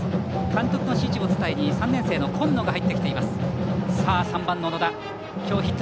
監督の指示を伝えに３年生の金野が入ってきています。